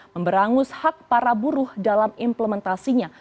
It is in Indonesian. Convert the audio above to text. memberangus hak para buruh dalam implementasinya